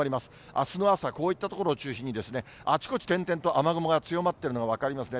あすの朝、こういった所を中心に、あちこち点々と雨雲が強まってるのが分かりますね。